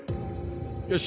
よし。